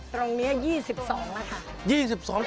ตรงนี้๒๒แล้วค่ะ